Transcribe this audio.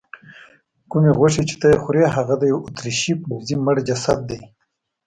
کومې غوښې چې ته یې خورې هغه د یوه اتریشي پوځي مړ جسد دی.